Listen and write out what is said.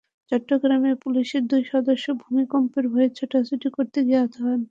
চট্টগ্রামে পুলিশের দুই সদস্য ভূমিকম্পের ভয়ে ছোটাছুটি করতে গিয়ে আহত হন।